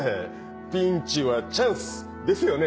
ピンチはチャンス！ですよね？